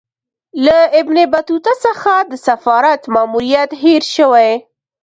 له ابن بطوطه څخه د سفارت ماموریت هېر سوی.